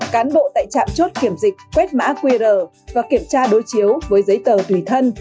cán bộ tại trạm chốt kiểm dịch quét mã qr và kiểm tra đối chiếu với giấy tờ tùy thân